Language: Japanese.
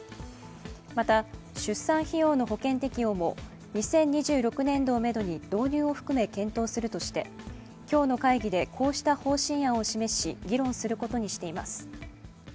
また、出産費用の保険適用も２０２６年度をめどに導入を含め検討するとして今日の会議でこうした方針案を示し議論することにしています。